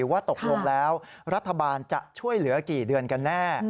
ว่าตกลงแล้วรัฐบาลจะช่วยเหลือกี่เดือนกันแน่